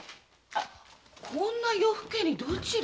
こんな夜更けにどちらへ？